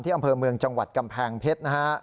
อำเภอเมืองจังหวัดกำแพงเพชรนะฮะ